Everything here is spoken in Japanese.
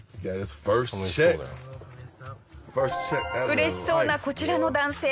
嬉しそうなこちらの男性。